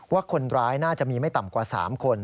ว่าคนร้ายน่าจะมีไม่ต่ำกว่า๓คน